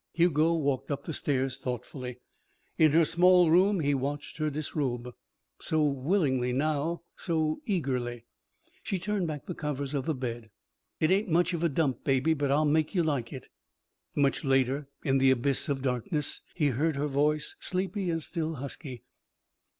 Hugo walked up the stairs thoughtfully. In her small room he watched her disrobe. So willingly now so eagerly. She turned back the covers of the bed. "It ain't much of a dump, baby, but I'll make you like it." Much later, in the abyss of darkness, he heard her voice, sleepy and still husky.